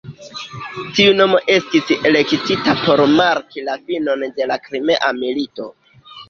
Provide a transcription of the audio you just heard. Tiu nomo estis elektita por marki la finon de la Krimea milito.